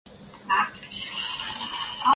岩生香薷为唇形科香薷属下的一个种。